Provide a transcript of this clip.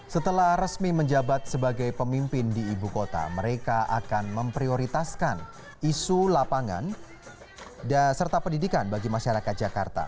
setelah resmi menjabat sebagai pemimpin di ibu kota mereka akan memprioritaskan isu lapangan dan serta pendidikan bagi masyarakat jakarta